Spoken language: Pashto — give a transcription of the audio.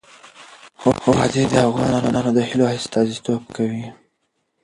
وادي د افغان ځوانانو د هیلو استازیتوب کوي.